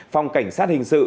phòng cảnh sát hình sự